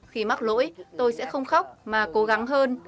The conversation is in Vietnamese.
khi mắc lỗi tôi sẽ không khóc mà cố gắng hơn